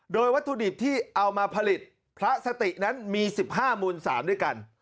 โดยวัตถุดิบที่เอามาผลิตพระสตินั้นมี๑๕มูล๓ด้วยกัน